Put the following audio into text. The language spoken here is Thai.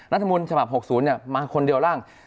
รัฐมนต์ฉบับ๖๐มาคนเดียวร่าง